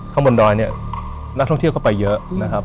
ข้างบนดอยเนี่ยนักท่องเที่ยวก็ไปเยอะนะครับ